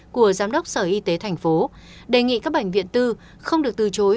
của giám đốc sở y tế thành phố đề nghị các bệnh viện tư không được từ chối